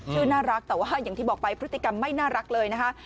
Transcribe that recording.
น่ารักแต่ว่าอย่างที่บอกไปพฤติกรรมไม่น่ารักเลยนะคะ